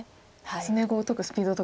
詰碁を解くスピードとかも。